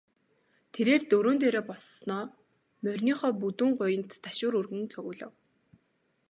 Тэрээр дөрөөн дээрээ боссоноо мориныхоо бүдүүн гуянд ташуур өгөн цогиулав.